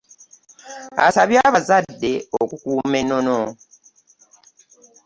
Asabye abazadde okukuuma ennono.